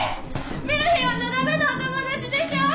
ミルヒーはのだめのお友達でしょう？